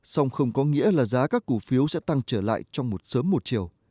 song không có nghĩa là giá các cổ phiếu sẽ tăng trở lại trong một sớm một chiều